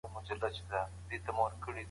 نادان شور خوښوي